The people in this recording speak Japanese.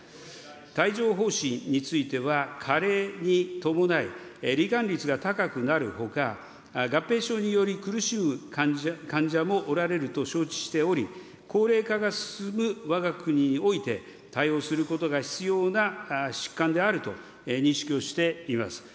帯状ほう疹については、加齢に伴い、り患率が高くなるほか、合併症により、苦しむ患者もおられると承知しており、高齢化が進むわが国において、対応することが必要な疾患であると認識をしています。